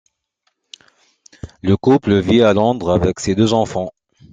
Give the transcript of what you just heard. Le couple vit à Londres avec ses deux enfants.